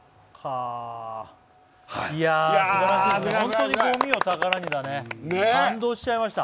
すばらしいですね、本当に「ごみを宝に」だね、感動しちゃいました。